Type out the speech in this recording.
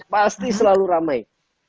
pasti selalu ramai